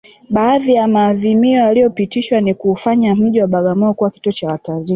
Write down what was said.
Baadhi ya maazimio yaliyopitishwa ni kuufanya mji wa Bagamoyo kuwa kituo cha watalii